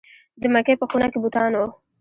د مکې په خونه کې بوتان وو.